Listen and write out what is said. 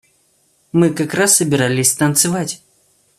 Мы как раз собирались танцевать.